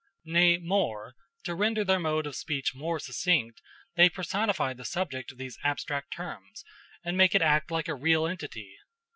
Nay, more, to render their mode of speech more succinct, they personify the subject of these abstract terms, and make it act like a real entity.